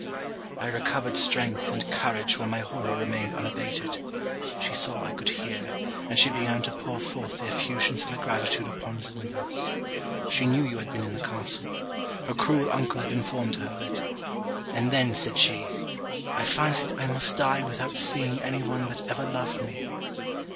I recovered strength and courage while my horror remained unabated. She saw I could hear, and she began to pour forth the effusions of her gratitude upon you and us. She knew you had been in the castle. Her cruel uncle had informed her of it. 'And then,' said she, 'I fancied I must die without seeing any one that ever loved me.'